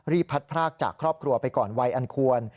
พัดพรากจากครอบครัวไปก่อนวัยอันควร